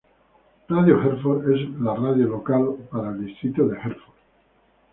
Radio Herford es la radio local para el Distrito de Herford.